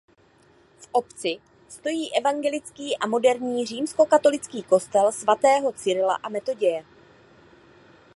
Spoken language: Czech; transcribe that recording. V obci stojí evangelický a moderní římskokatolický kostel svatého Cyrila a Metoděje.